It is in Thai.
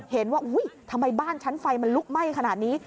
เห็นว่าทำไมบ้านชั้นไฟมันลุกไหม้ขนาดนี้